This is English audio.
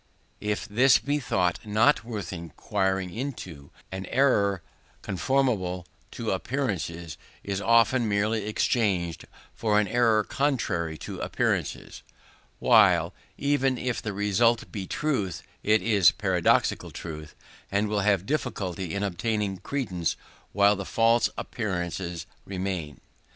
If this be thought not worth inquiring into, an error conformable to appearances is often merely exchanged for an error contrary to appearances; while, even if the result be truth, it is paradoxical truth, and will have difficulty in obtaining credence while the false appearances remain.